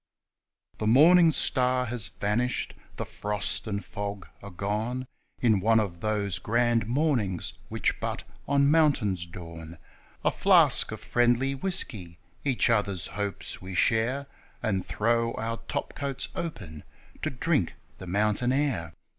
The morning star has vanished, the frost and fog are gone, In one of those grand mornings which but on moun tains dawn ; A flask of friendly whisky each other's hopes we share And throw our top coats open to drink the mountain air.